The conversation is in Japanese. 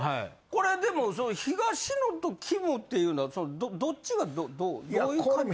これでも東野とキムっていうのはどっちがどうどういう感じ。